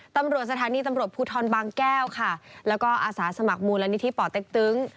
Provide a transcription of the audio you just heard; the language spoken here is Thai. ตำรวจสถานีตำรวจภูทรบางแก้วค่ะแล้วก็อาสาสมัครมูลนิธิป่อเต็กตึง